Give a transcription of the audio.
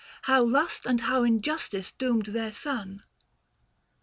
How lust and how injustice doomed their son.